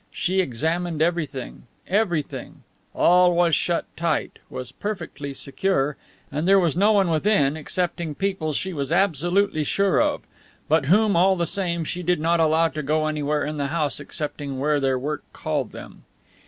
She examined everything everything. All was shut tight, was perfectly secure, and there was no one within excepting people she was absolutely sure of but whom, all the same, she did not allow to go anywhere in the house excepting where their work called them.